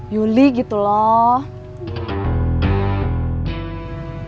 yuli gitu loh